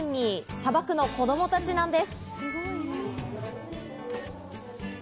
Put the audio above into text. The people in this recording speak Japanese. さばくのは子供たちなんです。